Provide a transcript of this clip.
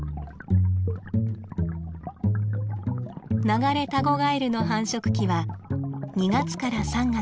ナガレタゴガエルの繁殖期は２月から３月。